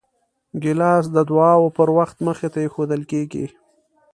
ګیلاس د دعاو پر وخت مخې ته ایښودل کېږي.